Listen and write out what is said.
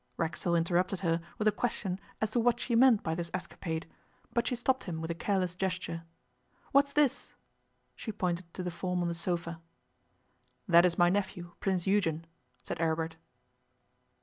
Racksole interrupted her with a question as to what she meant by this escapade, but she stopped him with a careless gesture. 'What's this?' She pointed to the form on the sofa. 'That is my nephew, Prince Eugen,' said Aribert.